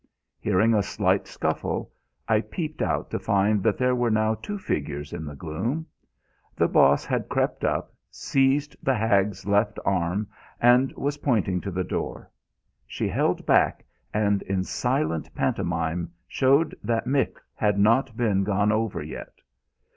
Hearing a slight scuffle, I peeped out to find that there were now two figures in the gloom. The Boss had crept up, seized the hag's left arm, and was pointing to the door. She held back, and in silent pantomime showed that Mick had not been gone over yet.